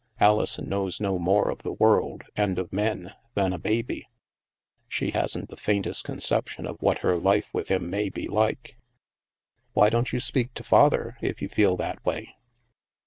Alison knows no more of the world, and of men, than a baby. She hasn't the faintest conception of what her life with him may be like —"" Why don't you speak to Father, if you feel that way